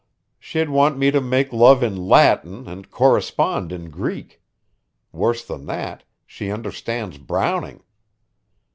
She'd want me to make love in Latin and correspond in Greek. Worse than that, she understands Browning.